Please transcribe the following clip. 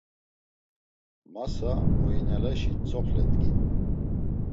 Masa oinaleşi tzoxle dgin.